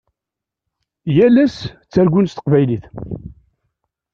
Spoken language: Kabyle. Yal ass ttargun s teqbaylit.